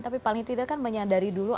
tapi paling tidak kan menyadari dulu